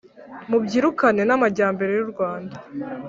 Mubyirukane n'amajyambere y'u Rwanda